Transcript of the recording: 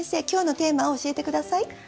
今日のテーマを教えて下さい。